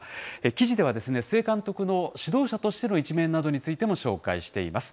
記事では、須江監督の指導者としての一面などについても紹介しています。